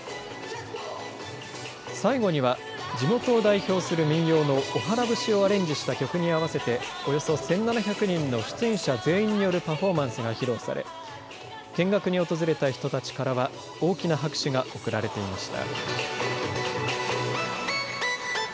最後には地元を代表する民謡のおはら節をアレンジした曲に合わせて、およそ１７００人の出演者全員によるパフォーマンスが披露され、見学に訪れた人たちからは大きな拍手が送られていました。